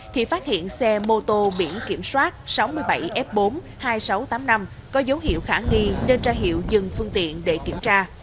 thì phát hiện xe mô tô biển kiểm soát sáu mươi bảy f bốn hai nghìn sáu trăm tám mươi năm có dấu hiệu khả nghi nên tra hiệu dừng phương tiện để kiểm tra